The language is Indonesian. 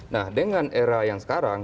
nah dengan era yang sekarang